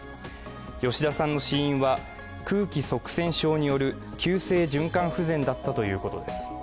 吉田さんの死因は空気塞栓症による急性循環不全だったということです。